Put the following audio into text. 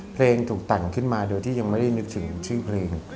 เพลงถูกแต่งขึ้นมาโดยที่ยังไม่ได้นึกถึงชื่อเพลง